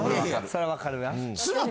それはわかるな。